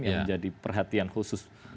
yang menjadi perhatian khusus